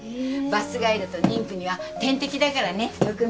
バスガイドと妊婦には天敵だからねむくみはね。